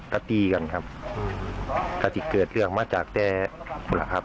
กะตีกันครับอืมถ้าที่เกิดเรื่องมาจากแจกละครับ